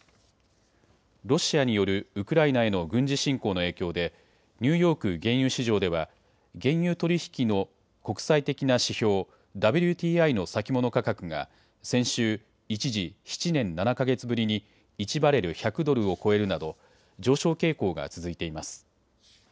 ロシアによるウクライナへの軍事侵攻の影響でニューヨーク原油市場では原油取り引きの国際的な指標、ＷＴＩの先物価格が先週、一時、７年７か月ぶりに１バレル１００ドルを超えるなど上昇傾向が続いています。